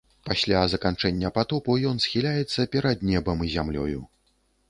Пасля заканчэння патопу ён схіляецца перад небам і зямлёю.